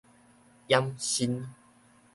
掩身